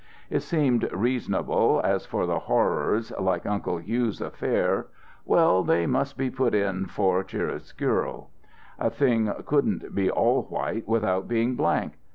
It seemed reasonable. As for the horrors like Uncle Hugh's affair well, they must be put in for chiaroscuro. A thing couldn't be all white without being blank.